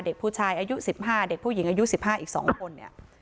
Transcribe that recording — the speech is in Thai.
เด็กผู้ชายอายุ๑๕เด็กผู้หญิงอายุ๑๕อีก๒คนเนี่ย